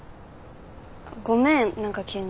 ごめん何か急に。